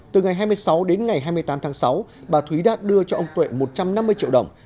từ ngày hai mươi sáu đến ngày hai mươi tám tháng sáu bà thúy đã đưa cho ông tuệ một trăm năm mươi triệu đồng